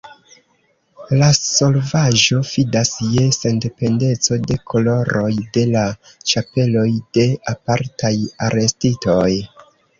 La solvaĵo fidas je sendependeco de koloroj de la ĉapeloj de apartaj arestitoj.